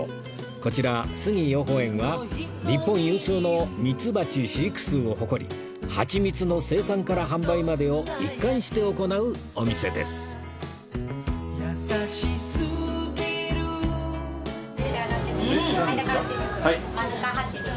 こちら杉養蜂園は日本有数のミツバチ飼育数を誇り蜂蜜の生産から販売までを一貫して行うお店ですなんですか？